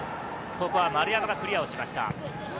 ここは丸山がクリアをしました。